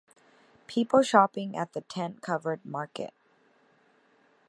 People shopping at the tent-covered market